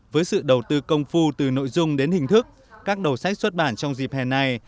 với sự đầu tư công phu từ nội dung đến hình thức các đầu sách xuất bản trong dịp hè này